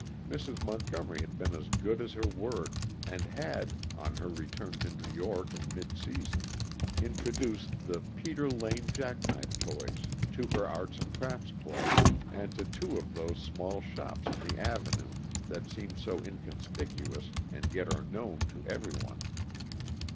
Mrs. Montgomery had been as good as her word, and had, on her return to New York in midseason, introduced the "Peter Lane Jack Knife Toys" to her Arts and Crafts Club, and to two of those small shops on the Avenue that seem so inconspicuous and yet are known to every one.